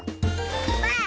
ばあ！